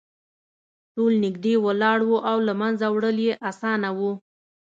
ټول نږدې ولاړ وو او له منځه وړل یې اسانه وو